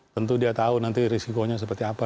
tentu dia tahu nanti risikonya seperti apa